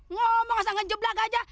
ngomong asal ngejeblak aja